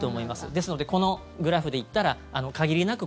ですので、このグラフで言ったら限りなく